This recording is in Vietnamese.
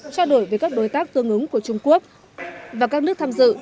trao đổi với các đối tác tương ứng của trung quốc và các nước tham dự